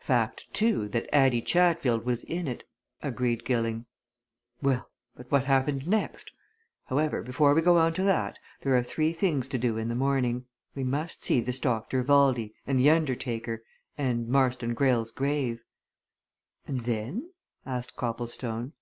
"Fact, too, that Addie Chatfield was in it," agreed Gilling. "Well but what happened next? However, before we go on to that, there are three things to do in the morning. We must see this Dr. Valdey, and the undertaker and Marston Greyle's grave." "And then?" asked Copplestone.